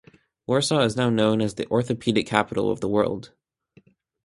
Warsaw is now known as the orthopaedic capital of the world.